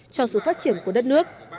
cho sự phát triển của đất nước